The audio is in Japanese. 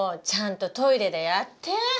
ちゃんとトイレでやって！